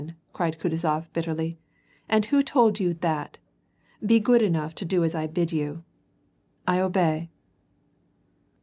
cried Kutuzof, bitterly, " And who told you that ? Be good enough to do as I bid you." « I obey."